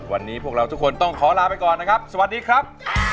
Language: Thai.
วันนี้พวกเราทุกคนต้องขอลาไปก่อนนะครับสวัสดีครับ